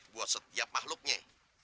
buat setiap makhluknya